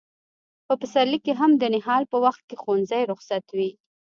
په پسرلي کې هم د نهال په وخت کې ښوونځي رخصت وي.